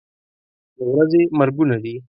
د ورځې مرګونه دي.